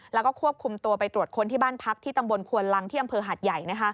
แล้วก็ควบคุมตัวไปตรวจค้นที่บ้านพักที่ตำบลควนลังที่อำเภอหัดใหญ่